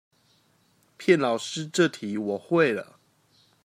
騙老師這題我會了